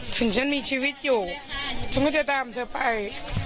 ถึงฉันมีชีวิตอยู่ฉันก็จะตามเธอไป